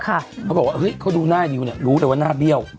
เขาบอกว่าเฮ้ยเขาดูหน้าดิวเนี่ยรู้เลยว่าหน้าเบี้ยว